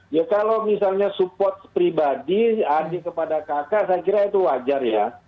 ya kalau misalnya support pribadi adik kepada kakak saya kira itu wajar ya